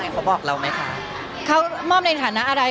เขาบอกเราไหมคะเขามอบในฐานะอะไร